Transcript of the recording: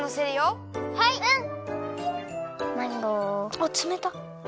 あっつめたっ。